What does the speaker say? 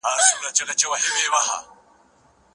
پښتو لیکل زموږ پیغام خوندي ساتي.